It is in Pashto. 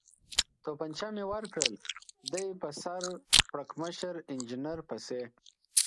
تومانچه مې ورکړل، دی په سر پړکمشر انجنیر پسې.